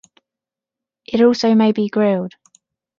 It also may be grilled.